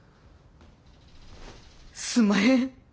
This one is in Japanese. すんまへん。